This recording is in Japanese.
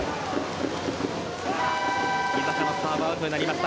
井坂のサーブアウトになりました